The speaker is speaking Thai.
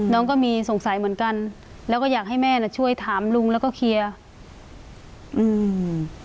น้องก็มีสงสัยเหมือนกันแล้วก็อยากให้แม่น่ะช่วยถามลุงแล้วก็เคลียร์อืม